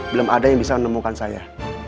belum ada yang bisa menemukan saya